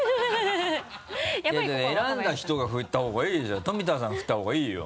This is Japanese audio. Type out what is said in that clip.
選んだ人が振った方がいいじゃん富田さん振った方がいいよ。